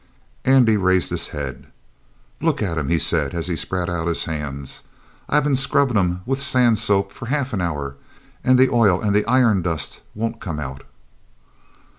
Andy raised his head. "Look at 'em!" he said as he spread out his hands. "I been scrubbin' 'em with sand soap for half an hour, and the oil and the iron dust won't come out."